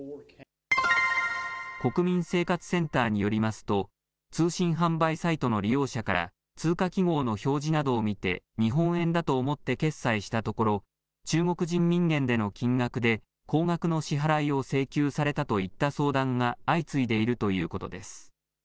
国民生活センターによりますと通信販売サイトの利用者から通貨記号の表示などを見て日本円だと思って決済したところ中国人民元での金額で高額の支払いを請求されたといった相談が相次いでいるということです。